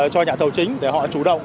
cho nhà thầu chính để họ chủ động